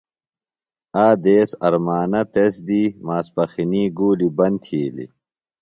آ دیس ارمانہ تس دی ماسپخنی گُولیۡ بند تِھیلیۡ۔